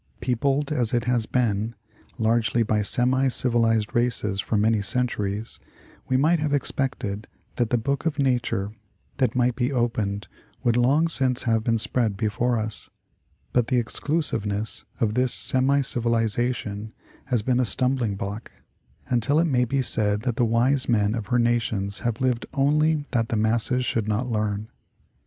Peopled as it has been, largely by semi civilized races for many centuries, we might have expected that the book of nature that might be opened would long since have been spread before us ; but the exclusiveness of this semi civilization has been a stumbling block, until it ma}^ be said that the wise men of her nations have lived only that the masses should not learn.